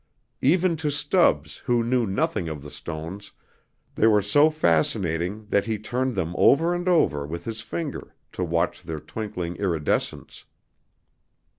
Even to Stubbs, who knew nothing of the stones, they were so fascinating that he turned them over and over with his finger to watch their twinkling iridescence.